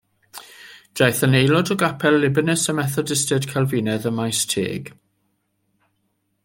Daeth yn aelod o Gapel Libanus, Y Methodistiaid Calfinaidd, ym Maesteg.